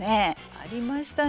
ありましたね。